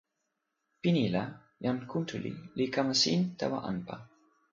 pini la, jan Kuntuli li kama sin tawa anpa.